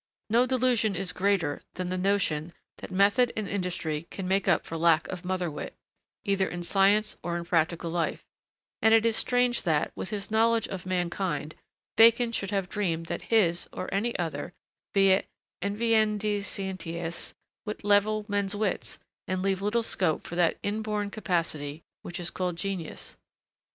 No delusion is greater than the notion that method and industry can make up for lack of motherwit, either in science or in practical life; and it is strange that, with his knowledge of mankind, Bacon should have dreamed that his, or any other, 'via inveniendi scientias' would 'level men's wits' and leave little scope for that inborn capacity which is called genius.